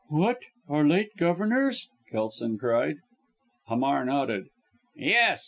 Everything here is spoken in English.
"What, our late governor's?" Kelson cried. Hamar nodded. "Yes!"